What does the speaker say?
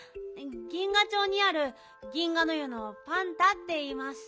銀河町にある銀河の湯のパンタっていいます。